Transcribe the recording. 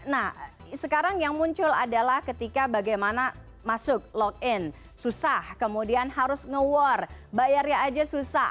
nah sekarang yang muncul adalah ketika bagaimana masuk login susah kemudian harus nge war bayarnya aja susah